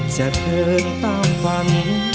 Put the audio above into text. จะเผินตามวัน